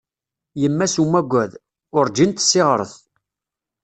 Yemma s umagad, urǧin tessiɣret.